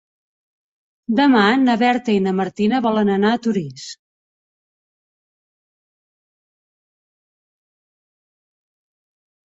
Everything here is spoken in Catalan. Demà na Berta i na Martina volen anar a Torís.